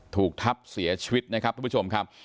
ถูกทับเสียชีวิตนะครับทุกผู้ชมครับ